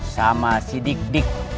sama si dik dik